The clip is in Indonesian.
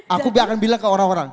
aku akan bilang ke orang orang